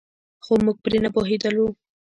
خو موږ پرې نه پوهېدلو.